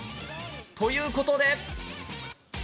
ということで。